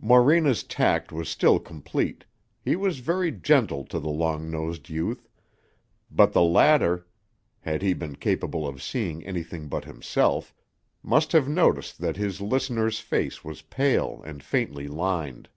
Morena's tact was still complete; he was very gentle to the long nosed youth; but the latter, had he been capable of seeing anything but himself, must have noticed that his listener's face was pale and faintly lined.